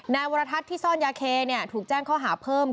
วรทัศน์ที่ซ่อนยาเคถูกแจ้งข้อหาเพิ่ม